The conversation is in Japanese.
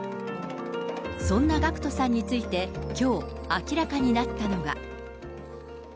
そんなＧＡＣＫＴさんについて、きょう、明らかになったのが。